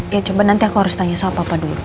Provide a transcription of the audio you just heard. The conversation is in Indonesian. ya coba nanti aku harus tanya soal papa dulu